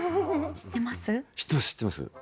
知ってます。